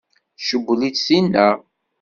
Tcewwel-itt tinna?